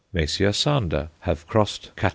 Messrs. Sander have crossed _Catt.